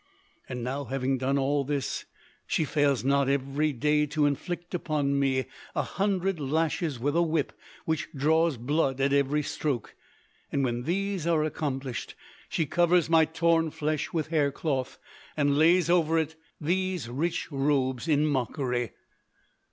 And now having done all this she fails not every day to inflict upon me a hundred lashes with a whip which draws blood at every stroke: and when these are accomplished she covers my torn flesh with hair cloth and lays over it these rich robes in mockery.